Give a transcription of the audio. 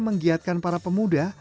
menggiatkan para pemuda